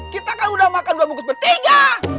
kita kan udah makan dua bungkus bertega